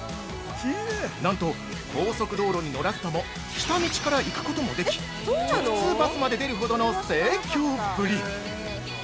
なんと、高速道路に乗らずとも下道から行くこともでき、直通バスまで出るほどの盛況ぶり！